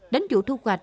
đánh dụ thu hoạch